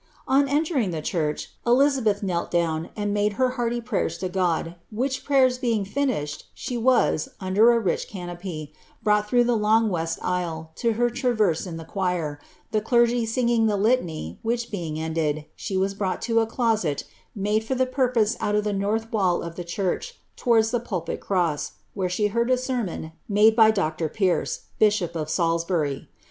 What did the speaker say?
On entering the church, Elizabeth knelt down and made her hearty pftyers to Qod, which prayers being finished, she was, under a rich eanopy, brought through the long west aisle, to her traverse in the choir, the clergy singing the litany, which being ended, she was brought to a doMt iwule for the purpose out of the north wall of the church, towards die pulfnt cross, where she heard a sermon made by Dr. Pierce, bishop of Salisbury.